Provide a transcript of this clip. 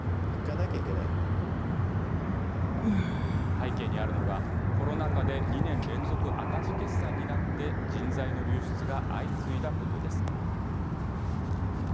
背景にあるのが、コロナ禍で２年連続赤字決算になって、人材の流出が相次いだことです。